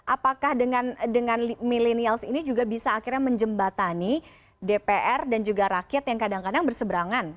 apakah dengan millennials ini juga bisa akhirnya menjembatani dpr dan juga rakyat yang kadang kadang berseberangan